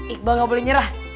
iqbal gak boleh nyerah